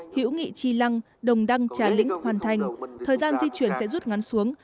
hữu nghị chi lăng đồng đăng trả lĩnh hoàn thành thời gian di chuyển sẽ rút ngắn xuống